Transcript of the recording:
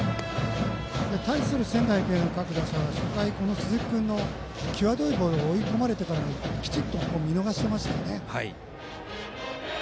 対する仙台育英の各打者は初回、鈴木君の際どいボール追い込まれてからもきちっと見逃してましたよね。